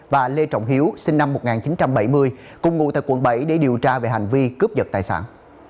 và lê trọng hiếu sinh năm một nghìn chín trăm bảy mươi cùng ngụ tại quận bảy để điều tra về hành vi cướp giật tài sản